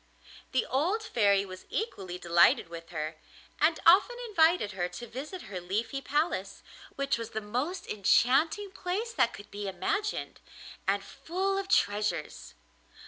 The old Fairy was equally delighted with her, and often invited her to visit her Leafy Palace, which was the most enchanting place that could be imagined, and full of treasures.